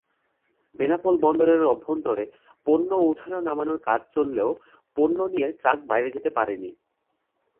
বেনাপোল বন্দরের অভ্যন্তরে পণ্য ওঠানো-নামানোর কাজ চললেও পণ্য নিয়ে ট্রাক বাইরে যেতে পারেনি।